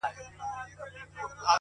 ناپای دردونه دي پر لار ورسره مل زه یم”